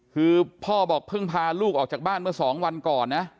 คือพ่อบอกเพิ่งพาลูกออกจากบ้านเมื่อ๒วันก่อนนะ